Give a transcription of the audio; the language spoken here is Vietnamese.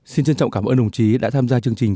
xin trân trọng cảm ơn đồng chí đã tham gia chương trình